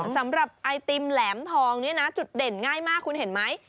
สำหรับไอติมแหลมทองเนี่ยนะจุดเด่นง่ายมากคุณเห็นไหม